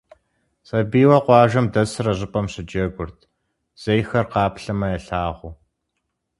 Сабийуэ къуажэм дэсыр а щӏыпӏэм щыджэгурт, зейхэр къаплъэмэ ялъагъуу.